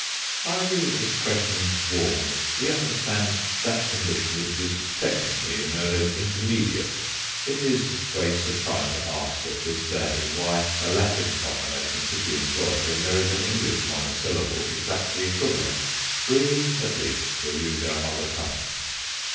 By the expression "warm" we understand that condition which is technically known as "intermediate." It is waste of time to ask, at this day, why a Latin combination should be employed when there is an English monosyllable exactly equivalent; we, at least, will use our mother tongue.